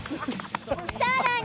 さらに！